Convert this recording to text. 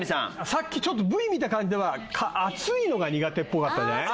さっきちょっとＶ見た感じでは熱いのが苦手っぽかったじゃない。